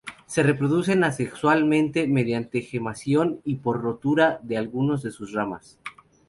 Se reproducen asexualmente mediante gemación y por rotura de alguna de sus ramas.